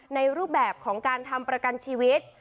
รูปแบบของการทำประกันชีวิต